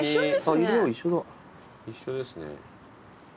一緒ですね。